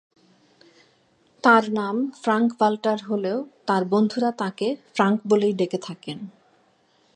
তাঁর নাম ফ্রাঙ্ক-ভাল্টার হলেও তাঁর বন্ধুরা তাঁকে ফ্রাঙ্ক বলেই ডেকে থাকেন।